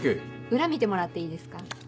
裏見てもらっていいですか？